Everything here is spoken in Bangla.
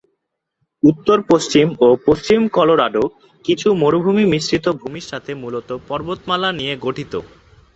উত্তর-পশ্চিম ও পশ্চিম কলোরাডো কিছু মরুভূমি মিশ্রিত ভূমির সাথে মূলত পর্বতমালা নিয়ে গঠিত।